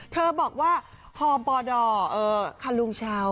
เธอบอกว่าพอบอดอคลุงเช้า